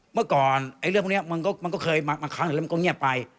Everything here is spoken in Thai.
เมื่อก่อนเรื่องพวกนี้มันก็เคยมาครั้งหนึ่งแล้วมันก็เงียบไป